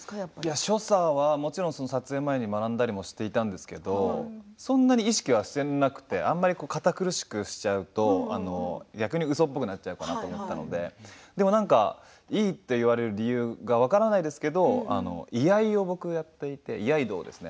所作は撮影前に学んだりもしたんですけれどそんなに意識はしていなくて堅苦しくしてしまうと逆にうそっぽくなってしまうと思ったのででも、いいと言われる理由か分からないですけど居合を僕はやっていて居合道ですね。